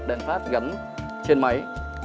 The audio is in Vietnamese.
đèn flash gắn trên máy